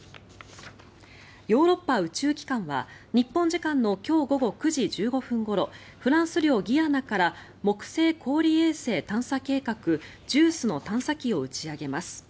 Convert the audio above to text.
ヨーロッパ宇宙機関は日本時間の今日午後９時１５分ごろフランス領ギアナから木星氷衛星探査計画・ＪＵＩＣＥの探査機を打ち上げます。